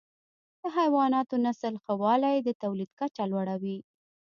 د حیواناتو نسل ښه والی د تولید کچه لوړه وي.